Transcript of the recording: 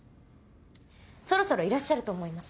そろそろいらっしゃると思います。